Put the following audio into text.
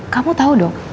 kamu tau dong